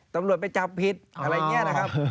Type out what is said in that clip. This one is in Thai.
ตำรวจไปจับผิดอะไรอย่างนี้นะครับ